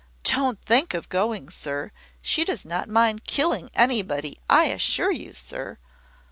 Don't think of going, sir! She does not mind killing anybody, I assure you, sir."